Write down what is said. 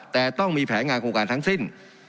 แต่ต้องมีแผนงานโครงการทั้งสิ้น